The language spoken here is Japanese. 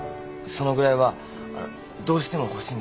そのぐらいはあのどうしても欲しいんです。